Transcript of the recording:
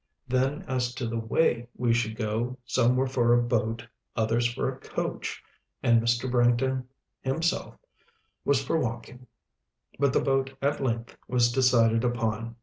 Then as to the way we should go: some were for a boat, others for a coach, and Mr. Branghton himself was for walking; but the boat at length was decided upon.